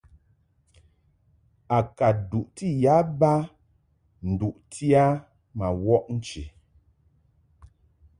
A ka duʼti ya ba nduʼti a ma wɔʼ nchi.